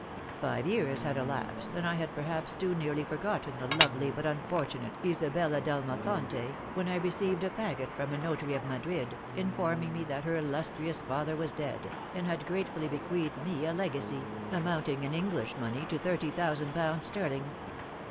Five years had elapsed, and I had perhaps too nearly forgotten the lovely but unfortunate Isabella d'Almafonte, when I received a packet from a notary of Madrid, informing me that her illustrious father was dead, and had gratefully bequeathed me a legacy, amounting in English money to thirty thousand pounds sterling.